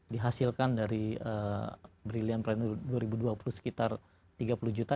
dihasilkan dari brilliant pranner dua ribu dua puluh sekitar tiga puluh juta